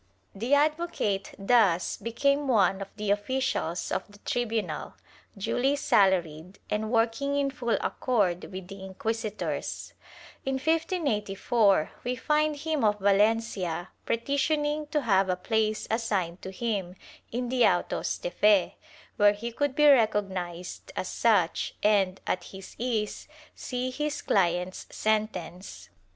* The advocate thus became one of the officials of the tribunal, duly salaried and working in full accord with the inquisitors. In 1584, we find him of Valencia petitioning to have a place assigned to him in the autos de fe, where he could be recognized as such and, at his ease, see his clients sentenced.